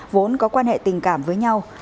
vốn có quan hệ tình cảm với nhau